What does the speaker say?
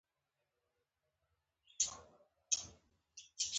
معقوله ده: فقیر ته یو ور بند، سل خلاص دي.